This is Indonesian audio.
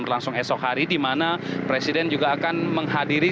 berlangsung esok hari di mana presiden juga akan menghadiri